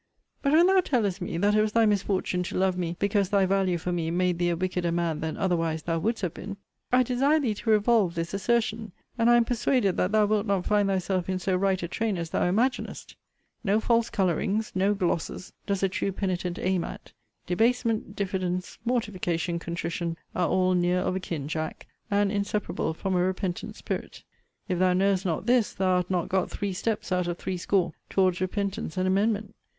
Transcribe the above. But when thou tellest me, that it was thy misfortune to love me, because thy value for me made thee a wickeder man than otherwise thou wouldst have been; I desire thee to revolve this assertion: and I am persuaded that thou wilt not find thyself in so right a train as thou imaginest. No false colourings, no glosses, does a true penitent aim at. Debasement, diffidence, mortification, contrition, are all near of a kin, Jack, and inseparable from a repentant spirit. If thou knowest not this, thou art not got three steps (out of threescore) towards repentance and amendment.